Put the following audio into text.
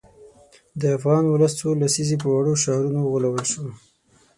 د افغان ولس څو لسیزې په وړو شعارونو وغولول شو.